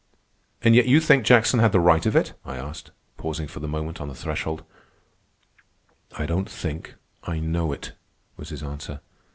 "And yet you think Jackson had the right of it?" I asked, pausing for the moment on the threshold. "I don't think; I know it," was his answer.